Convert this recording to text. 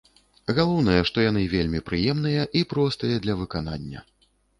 Галоўнае, што яны вельмі прыемныя і простыя для выканання.